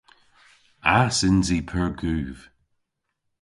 Ass yns i pur guv.